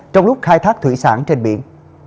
trong lúc khai thác thủy sản trên biển